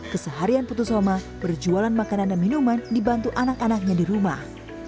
keseharian putusoma berjualan makanan dan minuman dibantu anak anaknya di rumah